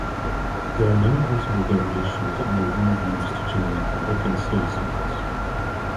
There are many possible variations on the rule used to generate the look-and-say sequence.